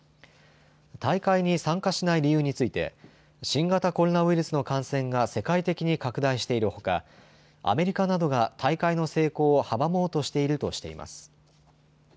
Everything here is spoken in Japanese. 大会に参加しない理由について新型コロナウイルスの感染が世界的に拡大しているほかアメリカなどが大会の成功を阻もうとしているとしています。